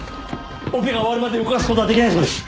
オペが終わるまで動かすことはできないそうです。